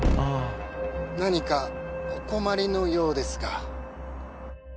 何かお困りのようですが。